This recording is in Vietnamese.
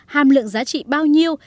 hàm lượng giá trị bao nhiêu